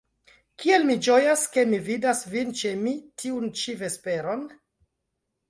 Kiel mi ĝojas, ke mi vidas vin ĉe mi tiun ĉi vesperon.